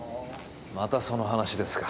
またその話ですか？